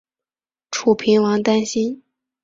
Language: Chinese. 楚平王担心。